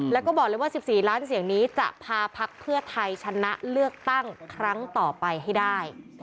แล้วก็บอกเลยว่า๑๔ล้านเสียงนี้จะพาพักเพื่อไทยชนะเลือกตั้งครั้งต่อไปให้ได้